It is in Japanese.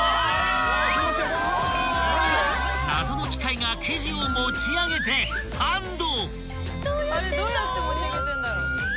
［謎の機械が生地を持ち上げてサンド！］